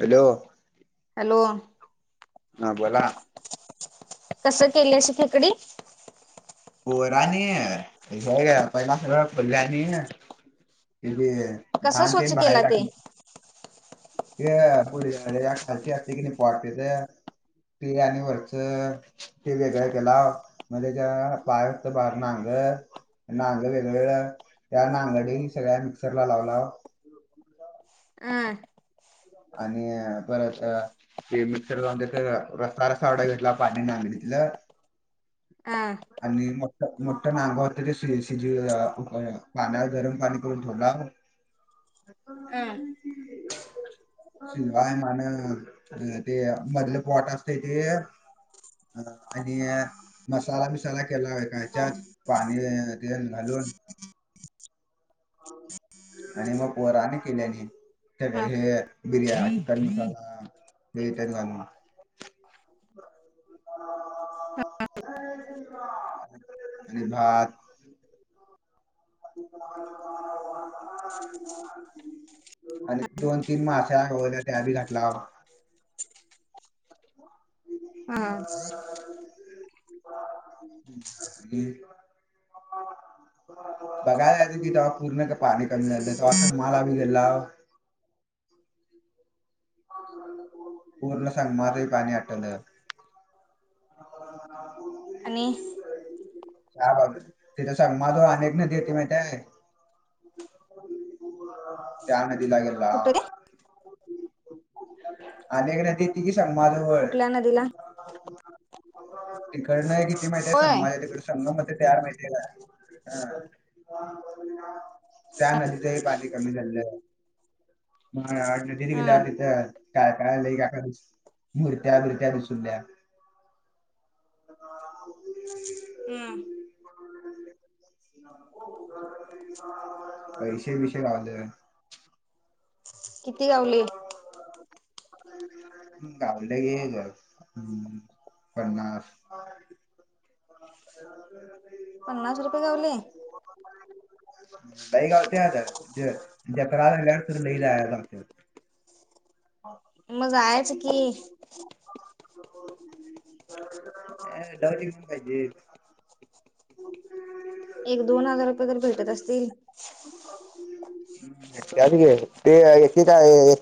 Hello, hello ह बोला, कस केलसं खेकडी हो राणी पहिला खल्याणी [inaudible] कसं लहान ते स्वच्छ बाहेर केला टाकले. हे पुढ खालची असते कि नाही पटते ते ते आणि वरच ते वेगळ केला म्हजे ज पायात बर ना अंग नांग वेगवेगळ्या त्या नागडी सगळ्या मिक्सरला लावला. अं आणि परत म मिक्सर वर रसास रसा आ घेला पन ना मिटलं- हा आणि मट मट्टण आंगात ते शिजवला पाण्या गरम पाणी करून ठेवला. अं ह शिल्वा आहे मान ते मधलं पोट असत ते अ आणि मसाला मसाला केला व काच्यात पाणी तेल घालून आणि मग वराने केल्याने हा [inaudible] हे बिर्याणीट घल [inaudible] आणि भात आणि दोन तीन मासे ग व त्या बी घातला हम ह बघायलाच कि तेव्हा पूर्ण का पाणी कमी झालं ते अशाक माला बी गेला ह पूर्ण सगमाद पाणी आटण आणि ह बाब तिच्या स माधव अनेक न देते माहि आहे त्या न लागेल कुठुर अक नाही त त की स माझ वळ दिला तिकड नाही किती माहिती आहे होय सग माझ्या तिकड संघ म तयार माहितीला ह त्या नदीचंही पाणी कमी झालं आहे मग नदी हम गेल्यावर तिथे काय कायलं काका मुर्त्या बिरत्या दिसरल्या हम ह पैसे विसे वा किती गावले हो गावले गे ग हम् पन्नास हा पन्नास रुपये गावले बाई गवते आ अकरा ग त लई जा मजायचं की ड टिकून पाहिजे एक दोन हजार रुपये तर भेटत असतील हम् त घे तेे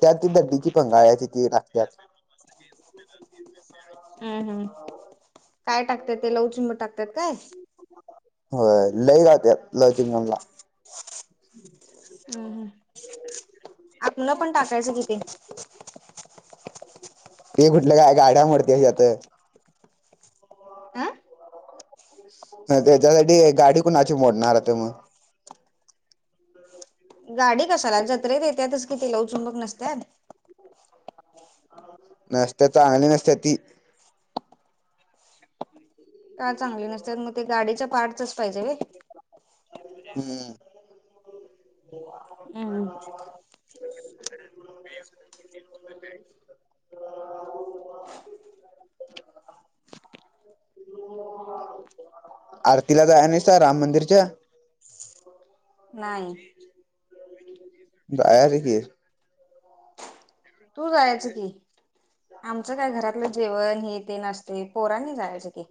कात दड्डीची पंगाळचीि त लागत हम् हम् काय टाकतात ते लवचिंबू टाकतात काय हो लई राहतत लचिंगम ला हम् हम आपलं पण टाकायचं किथे ते कुठलं काय गाड्या मडते आत अ त्याच्यासाठी गाडी कोणा अशी मोडणारते मग गाडी कसाला जत्रेत येत्याातच कि तिला उचूनबक नसत्यात न स्त तर आली नस ति का चांगले नसतात मग ते गाडीच्या पार्टच पाहिजे व हम्म हम् आरतीला जा नाही स राम मंदिरच्या नाही जायर की तू जायच की आमचं काय घरातलं जेवण हे ते नसते पोरांनी जायचं की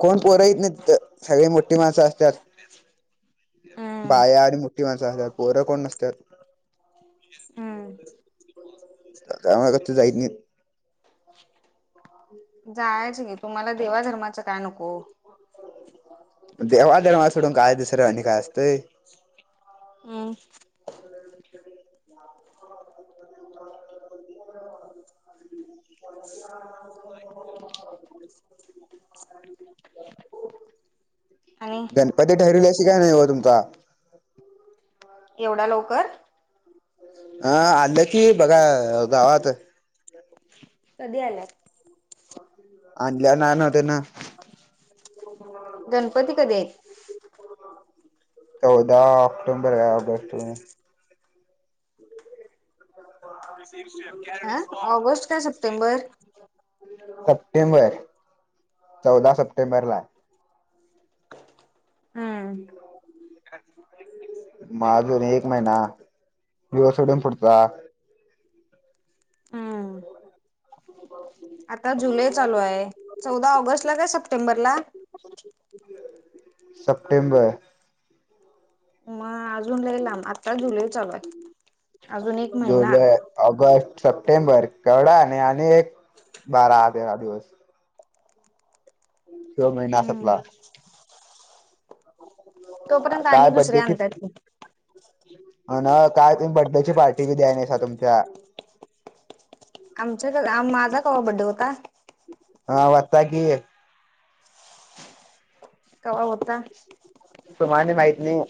कोण पोर येत नाहीत तिथ सगळे मोठी माणसं असतात हम्म बाया आणि मोठी माणसं असतात पोर कोण नसतात हम्म का का माहीत जाईत न जायच कि तुम्हाला देवा धर्माचं काय नको देव देव धर्माचे सोडून काय दुसरं आणि काय असंय हम्म ल ल [inaudible] नाही होय आणि गणपती ठरलेवशी काय नाही हो तुमचा एवढा लवकर अं आलं की बघा गावात कधी आला अनल्या नान त ना [unintelligible] गणपती कधी आहेत चौदा ऑक्टोंबर आहे ऑगस्ट मध्ये हो [unintelligible] त [unintelligible] ह ऑगस्ट काय सप्टेंबर सप्टेंबर चौदा सप्टेंबर ला हम मग आजून एक महिना दिवसडून फटता हम्म आता जुलै चालू आहे चौदा ऑगस्ट ला काय सप्टेंबरला सप्टेंबर मग अजून लयी लाब आता जुलै चालू आहे अजून एक महिना जुलै ऑगस्ट सप्टेंबर केवढा आणि आणि एक बारा तेरा दिवस स महिना हम्म संपला तोपर्यंत आणि काय दुसरे बड्डेची आणतात की काय तुम्ही बड्डे ची पार्टी बी द्याय नाही सा तुमच्या आमचा क माझा कवा बड्डे होता हा होता की कावा होता सुमाला माहिती नाही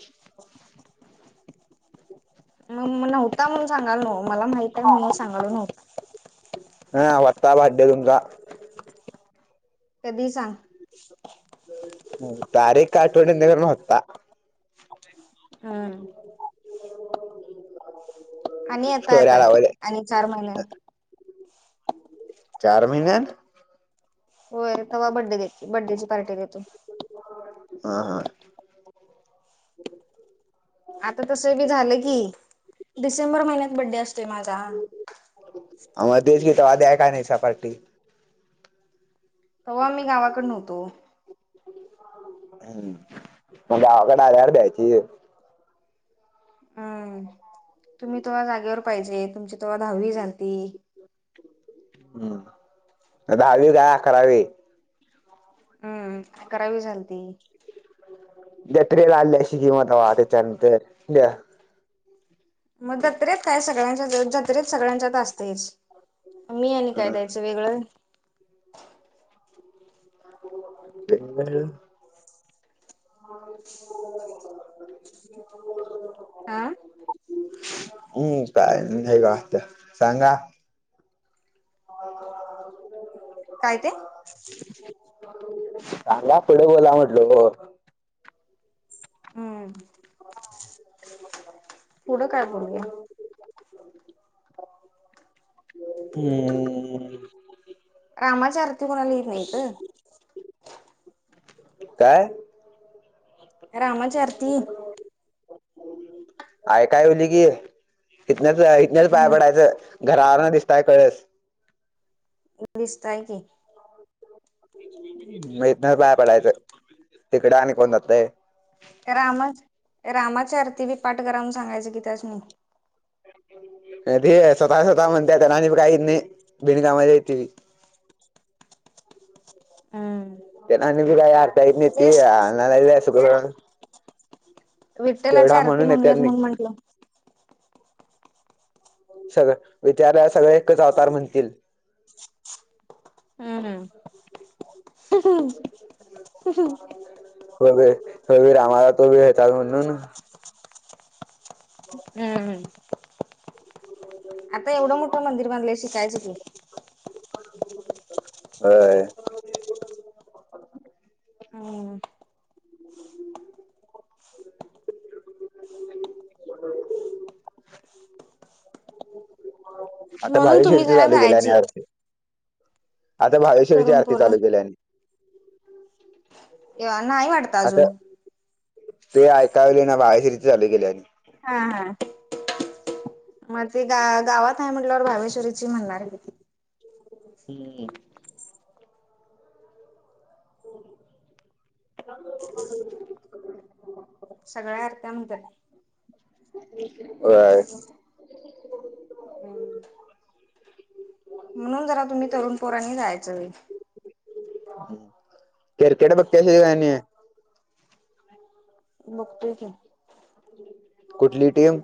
मग नव्हता म्हणून सांगालय नव्ह मला माहितय म्हणून सांगालो नव्हता हा वता बडे तुमचा कधी सांग तारीख काय आठवत नाही खर होता हम्म आणि येता स्टोर्या येतय लावले आणि चार महिने चार महिन्या होर तेव्हा बड्डे देत बड्डेची पार्टी देतो हा हा आता तस बी झालं की डिसेंबर महिन्यात बड्डे असतोय माझा आमला तेचकि तवा द्यायला नाहिसा पार्टि आहे काय नाही स पार्टी तेव्हा आम्ही गावाकडन नव्हतो हम्म मग गावाकडे आल्यार द्यायची हम् तुम्ही तेवा जागेवर पाहिजे तुमची ते्हा दहावी झालती हम्म दहावी काय करावी. हम्म करावी झाल ती. दत्रेला आल्याशी किंमत वा त्याच्यानंतर [unintelligible] मग जत्रेत काय सगळ्यांच्या जत्रेत सगळ्यांच्यात असतेच मी आणि काय द्यायचं वेगळं. ए [inaudible] [inaudible] आा. हम् काय हे कात्या सांगा. [unintelligible] [inaudible] काय ते. चांगा पुढे गला म्हटलो. हम्म. पुढं काय बोलूया [unintelligible] [inaudible] हम्म. रामाचारत. काय. रामाची आरती ह. य काय होली की इथनच इथनच पाया पडायचं. घरारणा दिसताय कळस. इंग्लिश त आहे की. मन बाय पडायचं तिकडे आणि कोण जातय. रामा रामाची आरती बी पाठ करावून सांगायचं की त्याच म. ते स्वतः स्वतः म्हणते आणिी काही नाही बिन कामा येते. हं. ते ना बी काय आरतायेतेतती सुग. विठ्ठलाची आरती म्हणून मंगल्यात येत्यांनी म्हणून म्हंटलं. सगळं विद्यालया सगळ एकच अवतार म्हणतील. हम् हम. ह ह. व रामाला तोी घेतात म्हणून. हम्म. आता एवढं मोठं मंदिर बनय शिकायचं की. हा. आता म्हणून भावी तुम्ही शिर्ती जरा चालू गेल्या आणि जायची अरथ. आता भागवेश्वरीची तरुण आरती पोरं चालू केली आणि. एव नाही वाटत अजून. आता ते ऐकावले ना बाहेरसरीथ चालू गेले आणि. हा हा. मग ते गा गावात आहे म्हटल्यावर भावेश्वरीची म्हणणार. हम्म. हो. सगळ्या आरत्या म्हणतात. होय. हम्. म्हणून जरा तुम्ही तरुण पोरांनी जायचंय. क्रिकेट पघ कशी गणी आहे. मुक्ते क. कुठली टीम.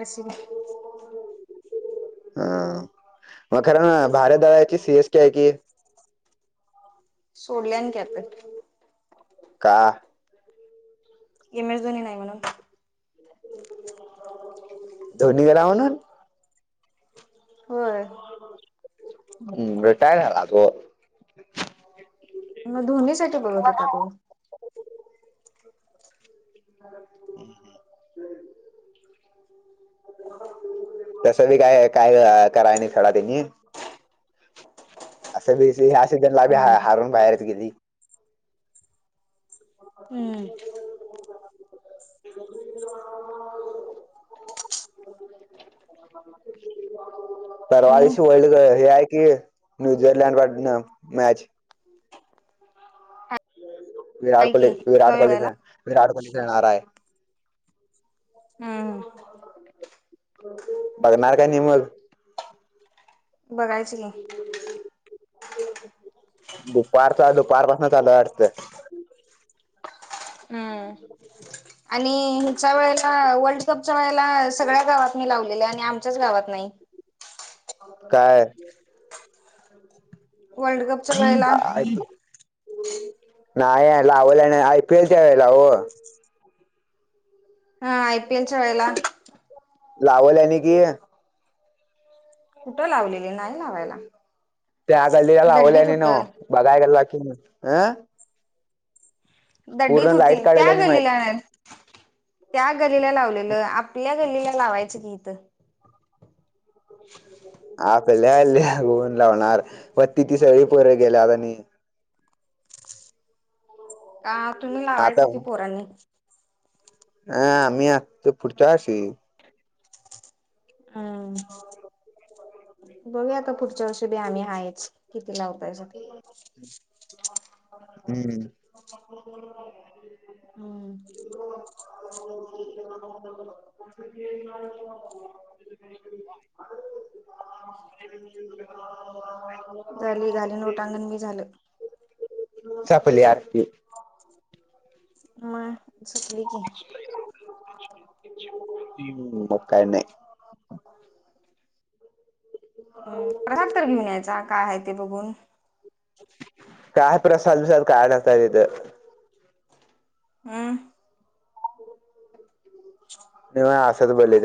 आर सी बु हा म खरं नं भारत दळ्याची सी एस टी आहे की सोडल्यान की आत का. एम एस धोनी नाही म्हणून. धोनी गेला म्हणून. होय. हं रिटायर झाला तो. म धोनी साठी बघत होता तो. हूं हूं तसं बी काय काय कराय नाय खडा त्यांनी असं बी ह्या सिजनला हम्म हा हारून बाहेर येतील की ती हम्म. [unintelligible] परवा आणि दिशी वर्ल्ड हे आहे की न्यूझीलँड मधन मॅच विराट काय कोहली की विराट जाऊया कोहली बघायला ख विराट कोहली खेळणार आहे. बघणार काय नी मग बघायची की दुपारचा दुपार पासना चालू हाय वाटत. हम्म आणि हिच्या वेळेला वर्ल्ड कपच्या वेळेला सगळ्या गावात नी लावलेल्या आणि आमच्याच गावात नाही. का? वर्ल्ड कपच्या वेळेला नाही हाय लावला नाही आय पी एल च्या वेळेला हो हा आय पी एलच्या वेळेला लावल आणि की, कुठं लावलेली नाय लावायला त्या गल्लीला दड्डीत लावल्याने होत न बघाय गेलेला की मी अ दड्डीत होती लाईट काढायला त्या नाही गल्लीला माहित नाय. त्या गल्लीला लावलेलं आपल्या गल्लीला लावायचं की इथं. आपल्याले कोणं लावणार म ती ती सगळी पोर गेल्यात आणि का तुम्ही लावायचं की पोरांनी आ मी आत पुढच्या वर्षी अं बघूया आता पुढच्या वर्षी की बी आम्ही हायेच किती लावतायसा ते हम्म [inaudible] हूं [unintelligible] [unintelligible] [unintelligible] झाली घालीन लोटांगण बी झालं. सापली आरती. म सपली कि हम्म मग काय नाय. प्रसाद तर घेऊन यायचा काय हाय ते बघून. काय प्रसाद बिसाद काय नसताय तिथं हं [unintelligible] नव्ह असच बोलले ते